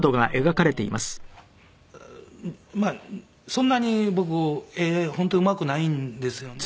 そんなに僕絵本当にうまくないんですよね。